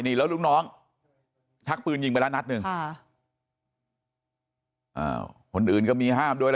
นี่แล้วลูกน้องชักปืนยิงไปแล้วนัดหนึ่งค่ะอ่าคนอื่นก็มีห้ามด้วยนะ